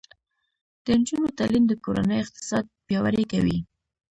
د نجونو تعلیم د کورنۍ اقتصاد پیاوړی کوي.